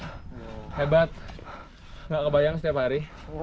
tidak terbayang setiap hari